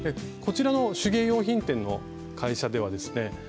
こちらの手芸用品店の会社ではですね